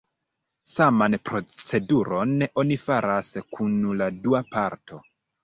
Saman proceduron oni faras kun la dua parto.